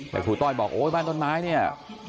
แต่ครูต้อยบอกโอ๊ยบ้านต้นไม้เนี่ย